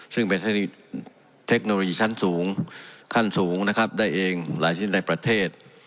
ซึ่งเป็นเทคโนโลยีชั้นสูงขั้นสูงนะครับได้เองหลายชิ้นในประเทศ